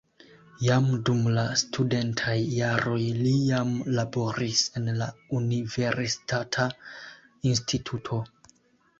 Jam dum la studentaj jaroj li jam laboris en la universitata instituto.